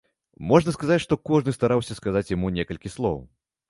Можна сказаць, што кожны стараўся сказаць яму некалькі слоў.